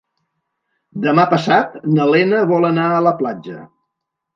Demà passat na Lena vol anar a la platja.